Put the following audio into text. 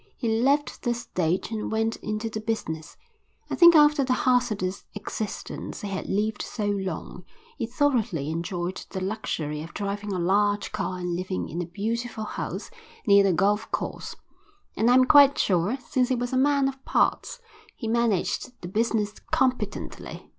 He left the stage and went into the business. I think after the hazardous existence he had lived so long, he thoroughly enjoyed the luxury of driving a large car and living in a beautiful house near the golf course, and I am quite sure, since he was a man of parts, he managed the business competently.